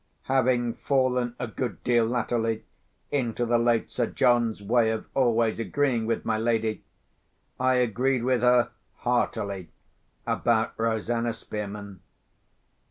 Having fallen a good deal latterly into the late Sir John's way of always agreeing with my lady, I agreed with her heartily about Rosanna Spearman.